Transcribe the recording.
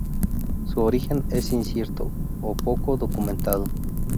Su origen es incierto o poco documentado.